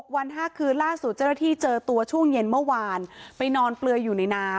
วัน๕คืนล่าสุดเจ้าหน้าที่เจอตัวช่วงเย็นเมื่อวานไปนอนเปลือยอยู่ในน้ำ